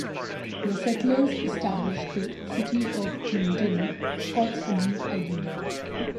The settlers established the city of Dunedin, Scots for New Edinburgh.